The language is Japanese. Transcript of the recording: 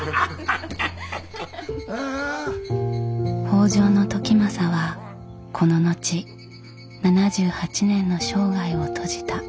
北条時政はこの後７８年の生涯を閉じた。